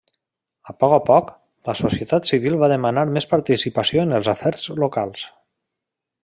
A poc a poc, la societat civil va demanar més participació en els afers locals.